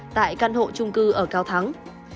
và căn hộ trung cư ở cao thắng